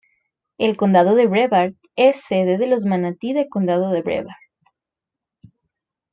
El condado de Brevard es sede de los Manatí del Condado de Brevard.